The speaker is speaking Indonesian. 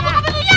ah buka pintunya